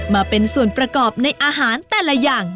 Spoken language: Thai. มาเป็นส่วนประกอบในอาหารแต่ละอย่าง